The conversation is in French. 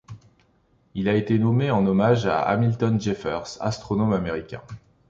Il a été nommé en hommage à Hamilton Jeffers, astronome américain.